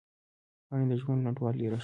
پاڼې د ژوند لنډوالي راښيي